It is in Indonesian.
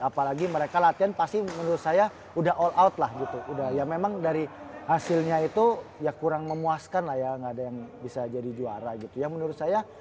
apalagi mereka latihan pasti menurut saya udah all out lah gitu udah ya memang dari hasilnya itu ya kurang memuaskan lah ya gak ada yang bisa jadi juara gitu ya menurut saya